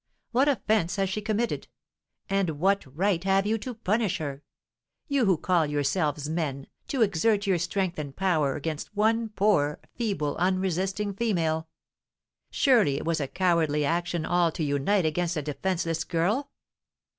What offence has she committed? And what right have you to punish her? you, who call yourselves men, to exert your strength and power against one poor, feeble, unresisting female! Surely it was a cowardly action all to unite against a defenceless girl!